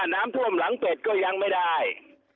น้ำท่วมหลังเป็ดก็ยังไม่ได้